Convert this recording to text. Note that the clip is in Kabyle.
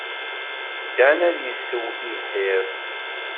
Dan ad yessew tibḥirt.